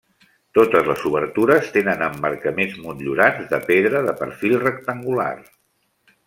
Totes les obertures tenen emmarcaments motllurats de pedra de perfil rectangular.